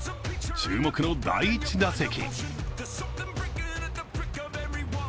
注目の第１打席。